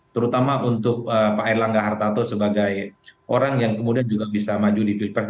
terutama untuk pak elangga hartarto sebagai orang yang kemudian juga bisa maju di piper dua ribu empat